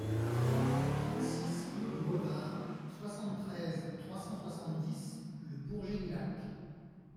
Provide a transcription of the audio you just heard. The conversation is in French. trente-six clos du Revard, soixante-treize, trois cent soixante-dix, Le Bourget-du-Lac